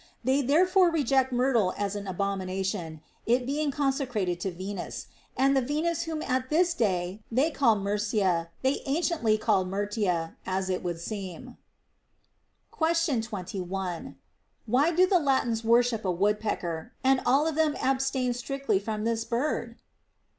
They therefore reject myrtle as an abomination, it bein«• consecrated to Venus ; and the Venus whom at this day they call Murcia they anciently called Myrtia, as it would seem. Question 21. Why do the Latins worship a wood pecker, and all of them abstain strictly from this bird?